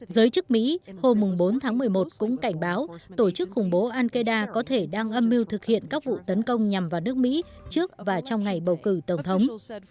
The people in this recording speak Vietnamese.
giới chức mỹ hôm bốn tháng một mươi một cũng cảnh báo tổ chức khủng bố al qaeda có thể đang âm mưu thực hiện các vụ tấn công nhằm vào nước mỹ trước và trong ngày bầu cử tổng thống